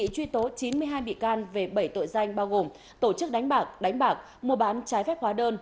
truy tố chín mươi hai bị can về bảy tội danh bao gồm tổ chức đánh bạc đánh bạc mua bán trái phép hóa đơn